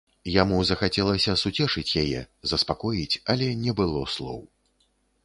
Яму захацелася суцешыць яе, заспакоіць, але не было слоў.